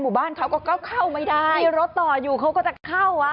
มีรถต่ออยู่เขาก็จะเข้า